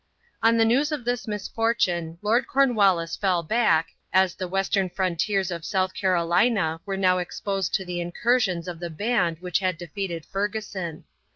On the news of this misfortune Lord Cornwallis fell back, as the western frontiers of South Carolina were now exposed to the incursions of the band which had defeated Fergusson.